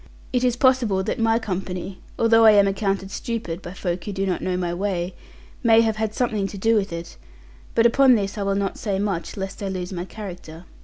It is possible that my company although I am accounted stupid by folk who do not know my way may have had something to do with it; but upon this I will not say much, lest I lose my character.